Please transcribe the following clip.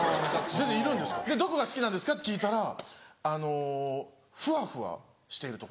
どこが好きなんですか？って聞いたらあのふわふわしているところって。